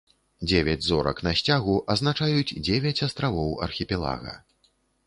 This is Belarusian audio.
Дзевяць зорак на сцягу азначаюць дзевяць астравоў архіпелага.